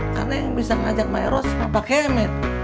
karena yang bisa ngajak eros sama pak kemet